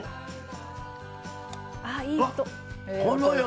あいい音！わ！